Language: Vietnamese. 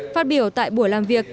phát biểu tại buổi làm việc